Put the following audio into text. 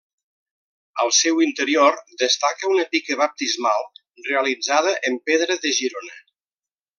Al seu interior destaca una pica baptismal realitzada en pedra de Girona.